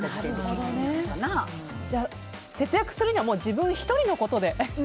節約するには自分一人のことで。